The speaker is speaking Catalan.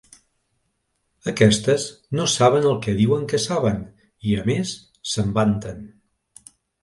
Aquestes no saben el que diuen que saben, i a més se'n vanten.